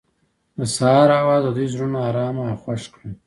د سهار اواز د دوی زړونه ارامه او خوښ کړل.